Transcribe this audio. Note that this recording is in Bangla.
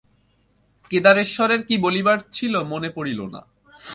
কেদারেশ্বরের কী বলিবার ছিল মনে পড়িল না।